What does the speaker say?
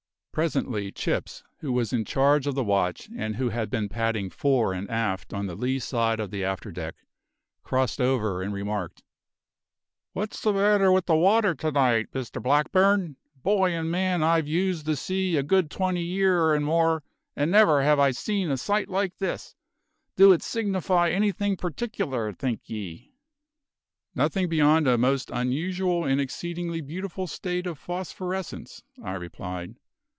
Presently Chips, who was in charge of the watch and who had been padding fore and aft on the lee side of the after deck, crossed over and remarked: "What's the matter with the water to night, Mr Blackburn? Boy and man I've used the sea a good twenty year and more, and never have I seen a sight like this. Do it signify anything particular, think ye?" "Nothing beyond a most unusual and exceedingly beautiful state of phosphorescence," I replied.